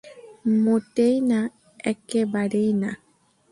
মোটেই না, একেবারেই না।